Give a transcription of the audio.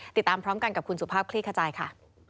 ติดตามพร้อมกันกับคุณสุภาพคลี่ขจายค่ะ